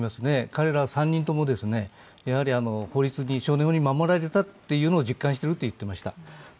彼らは３人とも少年法に守られたというのを実感していると言っていました。